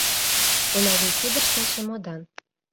Унавий кидыште чемодан.